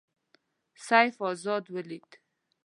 سیف آزاد ولید.